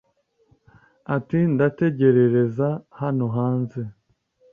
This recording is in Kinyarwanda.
ati ndategerereza hano hanze